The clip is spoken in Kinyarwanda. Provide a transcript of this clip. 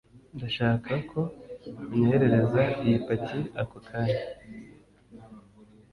ndashaka ko unyoherereza iyi paki ako kanya